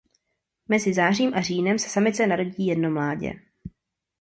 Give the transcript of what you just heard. Mezi zářím a říjnem se samici narodí jedno mládě.